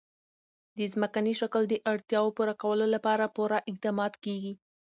د ځمکني شکل د اړتیاوو پوره کولو لپاره پوره اقدامات کېږي.